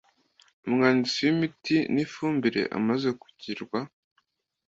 Umwanditsi w imiti n ifumbire amaze kugirwa